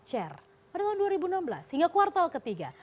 pertamina yang tok chair pada tahun dua ribu enam belas hingga kuartal ke tiga